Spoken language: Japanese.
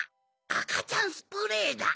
あかちゃんスプレーだ！